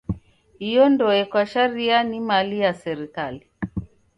Iyo ndoe kwa sharia ni mali ya serikali.